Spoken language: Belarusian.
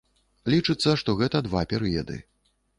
Лічыцца, што гэта два перыяды.